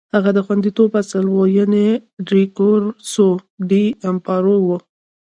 هغه د خوندیتوب اصل و، یعنې ریکورسو ډی امپارو و.